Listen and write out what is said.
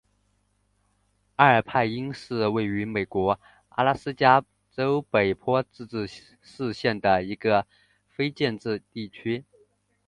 阿尔派因是位于美国阿拉斯加州北坡自治市镇的一个非建制地区。